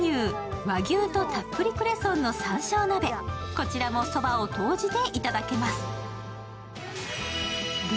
こちらも、そばを投じていただけます。